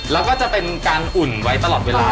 แล้วก็จะเป็นการอุ่นไว้ตลอดเวลา